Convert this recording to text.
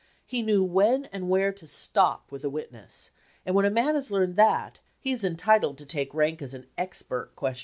He knew when and where to stop with a witness, and when a man has learned that he is entitled to take rank as an expert questioner."